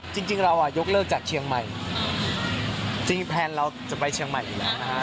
จริงเราอ่ะยกเลิกจากเชียงใหม่จริงแพลนเราจะไปเชียงใหม่อยู่แล้วนะฮะ